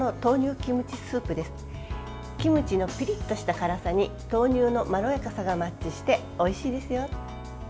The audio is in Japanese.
キムチのピリッとしたからさに豆乳のまろやかさがマッチしておいしいですよ。